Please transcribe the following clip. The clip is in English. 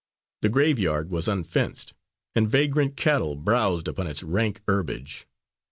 The graveyard was unfenced, and vagrant cattle browsed upon its rank herbage.